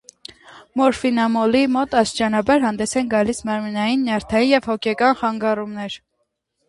Մորֆինամոլի մոտ աստիճանաբար հանդես են գալիս մարմնային, նյարդային և հոգեկան խանգարումներ։